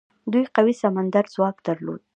دوی قوي سمندري ځواک درلود.